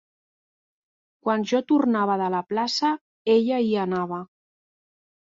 Quan jo tornava de la plaça, ella hi anava.